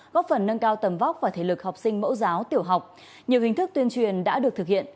góp phần nâng cao tầm vóc và thể lực học sinh mẫu giáo tiểu học nhiều hình thức tuyên truyền đã được thực hiện